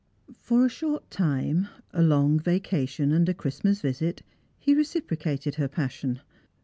For a short time— a long vacation and a Christmas visit — he reciprocated her passion.